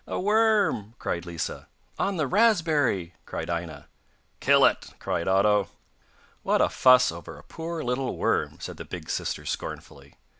'A worm!' cried Lisa. 'On the raspberry!' cried Aina. 'Kill it!' cried Otto. 'What a fuss over a poor little worm!' said the big sister scornfully.